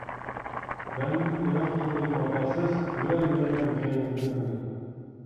مەندىن يىراق تۇرغىن ۋاپاسىز، يۈرەلمەيمەن كەينىڭدىن ئەمدى.